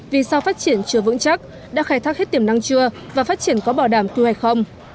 vì sao phát triển chưa vững chắc đã khai thác hết tiềm năng chưa và phát triển có bảo đảm thu hoạch không